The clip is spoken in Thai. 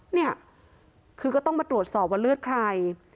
เนี่ยคือก็ต้องมาตรวจสอบว่าเลือดใคร